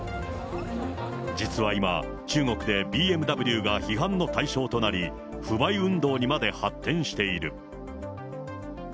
実は今、中国でＢＭＷが批判の対象となり、不買運動にまで発展している。